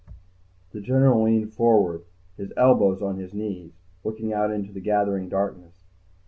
The general leaned forward, his elbows on his knees, looking out into the gathering darkness.